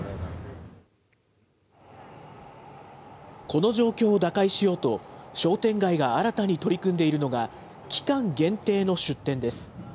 この状況を打開しようと、商店街が新たに取り組んでいるのが、期間限定の出店です。